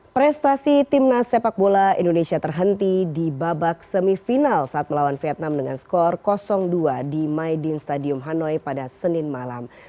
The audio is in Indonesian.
prestasi timnas sepak bola indonesia terhenti di babak semifinal saat melawan vietnam dengan skor dua di maidin stadium hanoi pada senin malam